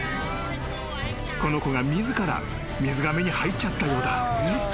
［この子が自ら水がめに入っちゃったようだ］